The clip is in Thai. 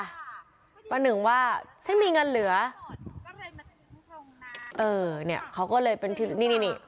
ขอยนึงว่าฉันมีเงินเหลือเนี่ยเขาก็เลยเป็นที่รู้จัก